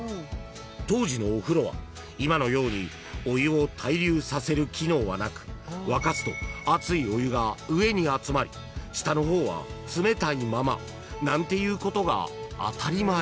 ［当時のお風呂は今のようにお湯を対流させる機能はなく沸かすと熱いお湯が上に集まり下の方は冷たいままなんていうことが当たり前］